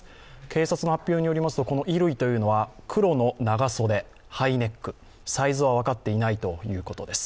警察の発表によりますと、この衣類は黒の長袖、ハイネック、サイズは分かっていないということです。